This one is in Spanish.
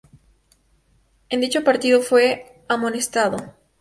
En dicho partido fue amonestado.